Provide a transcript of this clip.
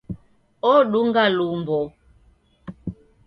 Odunga lumbo